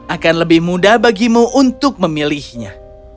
akan lebih mudah bagimu untuk memilihnya